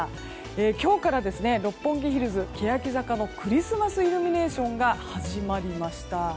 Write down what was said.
今日から六本木ヒルズけやき坂のクリスマスイルミネーションが始まりました。